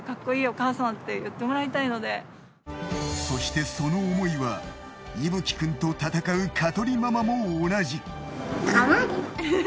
そしてその想いは壱祈くんと戦う香取ママも同じ。